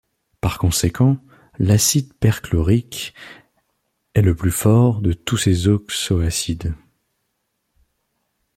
Par conséquent, l'acide perchlorique est le plus fort de tous ces oxoacides.